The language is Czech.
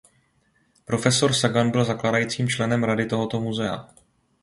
Profesor Sagan byl zakládajícím členem rady tohoto muzea.